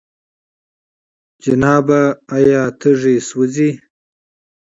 جنابه! آيا تيږي سوزي؟